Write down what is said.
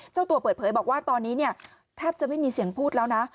เจ้าตัวเปิดเผยบอกว่าตอนนี้เนี่ยแทบจะไม่มีเสียงพูดแล้วนะ